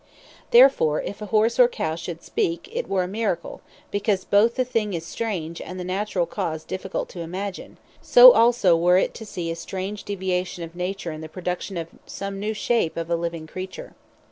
Therefore, if a Horse, or Cow should speak, it were a Miracle; because both the thing is strange, & the Naturall cause difficult to imagin: So also were it, to see a strange deviation of nature, in the production of some new shape of a living creature.